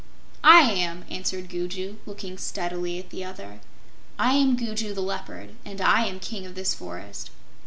"I am!" answered Gugu, looking steadily at the other. "I am Gugu the Leopard, and I am King of this forest."